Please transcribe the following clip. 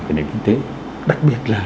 kinh tế đặc biệt là